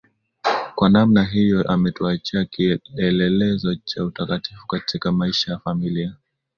Kwa namna hiyo ametuachia kielelezo cha utakatifu katika maisha ya familia